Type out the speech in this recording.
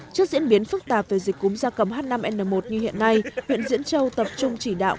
trước diễn biến phức tạp về dịch cúm da cầm h năm n một như hiện nay huyện diễn châu tập trung chỉ đạo